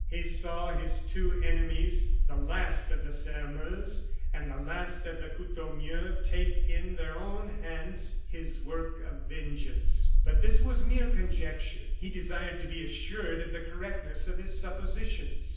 He saw his two enemies, the last of the Sairmeuse and the last of the Courtornieu take in their own hands his work of vengeance. But this was mere conjecture; he desired to be assured of the correctness of his suppositions.